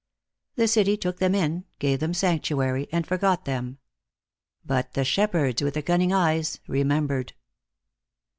The city took them in, gave them sanctuary, and forgot them. But the shepherds with the cunning eyes remembered.